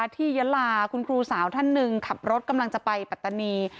ยะลาคุณครูสาวท่านหนึ่งขับรถกำลังจะไปปัตตานี